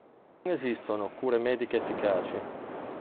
Non esistono cure mediche efficaci.